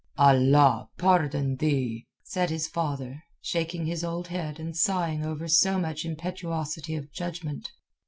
"Allah pardon thee," said his father, shaking his old head and sighing over so much impetuosity of judgment.